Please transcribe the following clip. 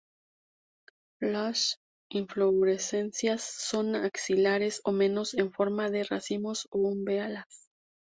Lass inflorescencias son axilares o menos, en forma de racimos o umbelas.